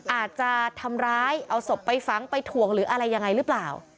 อาจจะทำร้ายเอาศพไปฝังไปถ่วงหรืออะไรยังไงหรือเปล่า